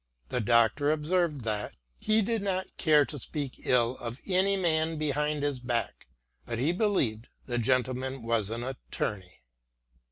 The Doctor observed that " he did not care to speak ill of any man behind his back, but he believed the gentleman was an attorney."